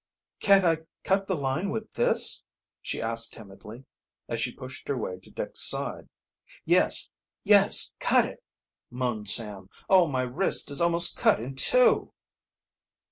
"Can't I cut the line with this?" she asked, timidly, as she pushed her way to Dick's side. "Yes, Yes; cut it!" moaned Sam. "Oh, my wrist is almost cut in two!"